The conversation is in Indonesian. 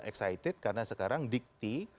excited karena sekarang dikti